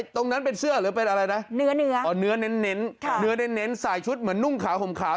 ตรงนั้นเป็นเสื้อหรือเป็นอะไรนะเนื้ออ๋อเนื้อเน้นเนื้อเน้นใส่ชุดเหมือนนุ่งขาวห่มขาว